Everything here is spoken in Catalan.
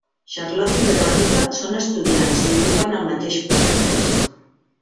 Charlotte i Verònica són estudiants i ocupen el mateix pis a París.